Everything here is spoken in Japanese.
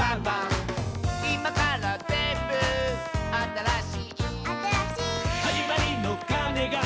「いまからぜんぶあたらしい」「あたらしい」「はじまりのかねが」